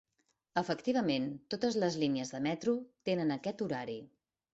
Efectivament, totes les línies de metro tenen aquest horari.